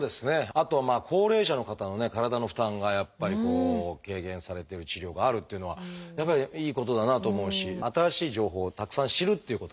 あとは高齢者の方のね体の負担がやっぱりこう軽減されてる治療があるっていうのはやっぱりいいことだなと思うし新しい情報をたくさん知るっていうこともね